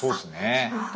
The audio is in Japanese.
そうですね。